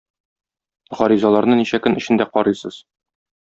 Гаризаларны ничә көн эчендә карыйсыз?